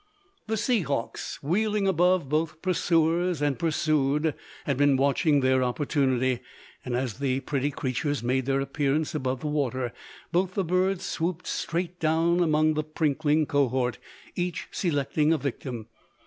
The sea hawks, wheeling above both pursuers and pursued, had been watching their opportunity; and as the pretty creatures made their appearance above water, both the birds swooped straight down among the prinkling cohort, each selecting a victim.